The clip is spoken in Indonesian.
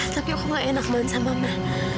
tapi aku gak enak banget sama mama